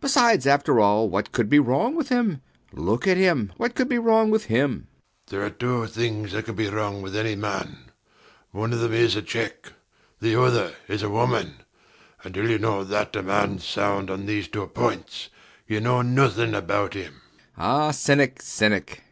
Besides, after all, what could be wrong with him? Look at him. What could be wrong with him? SIR PATRICK. There are two things that can be wrong with any man. One of them is a cheque. The other is a woman. Until you know that a man's sound on these two points, you know nothing about him. B. B. Ah, cynic, cynic! WALPOLE.